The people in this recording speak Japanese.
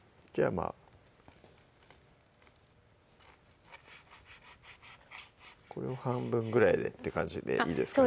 まぁこれを半分ぐらいでって感じでいいですかね